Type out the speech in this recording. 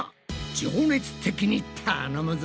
情熱的に頼むぞ！